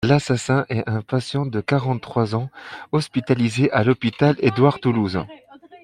L'assassin est un patient de quarante-trois ans hospitalisé à l'hôpital Edouard-Toulouse.